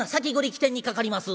機転にかかります」。